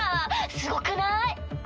すごくない？